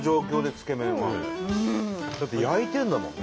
だって焼いてるんだもんね。